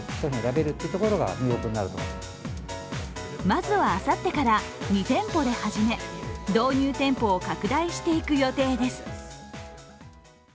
まずはあさってから２店舗で始め導入店舗を拡大していく予定です。